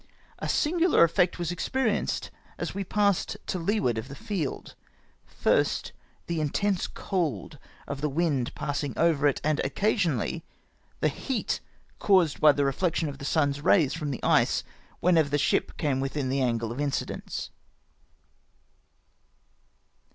A singular effect was experienced as we passed to leeward of the field ; first, the intense cold of the wind passing over it, and occasionally, the heat caused by the reflection of the sun's rays from the ice when ever the ship came witliin the angle of incidence.